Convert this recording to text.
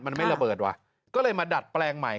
มันไม่ระเบิดว่ะก็เลยมาดัดแปลงใหม่